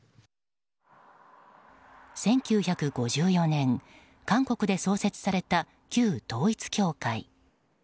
１９５４年韓国で創設された旧統一教会。